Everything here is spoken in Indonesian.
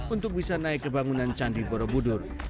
untuk bisa naik ke bangunan candi borobudur